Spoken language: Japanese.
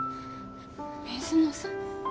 水野さん。